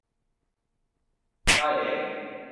ด้ายแดง ?